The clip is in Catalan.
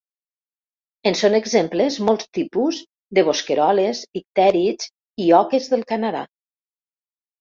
En són exemples molts tipus de bosqueroles, ictèrids i oques del Canadà.